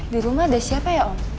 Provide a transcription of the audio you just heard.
dirumah ada siapa ya om